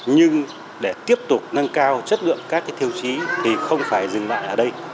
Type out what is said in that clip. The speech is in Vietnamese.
nhưng để tiếp tục nâng cao chất lượng các tiêu chí thì không phải dừng lại ở đây